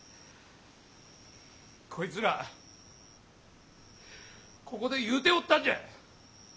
こいつらここで言うておったんじゃ